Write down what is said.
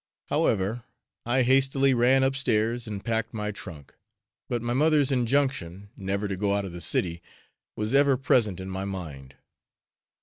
However, I hastily ran up stairs and packed my trunk, but my mother's injunction, "never to go out of the city," was ever present in my mind.